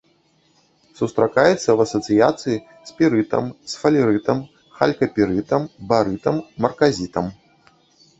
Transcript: Сустракаецца ў асацыяцыі з пірытам, сфалерытам, халькапірытам, барытам, марказітам.